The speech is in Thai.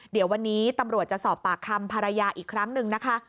เดี๋ยววันนี้ตำรวจจะสอบปากคำภรรยาอีกครั้งหนึ่งนะคะ